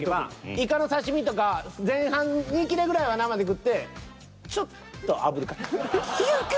イカの刺身とか前半２切れぐらいは生で食ってちょっとあぶるかキュキュ。